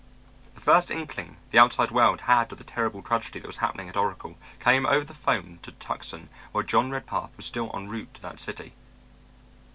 The first inkling the outside world had of the terrible tragedy that was happening at Oracle came over the phone to Tucson while John Redpath was still en route to that city.